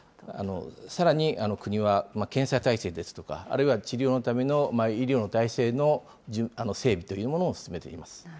さらに国は、検査体制ですとか、あるいは、治療のための医療の体制の整備というものを進めています。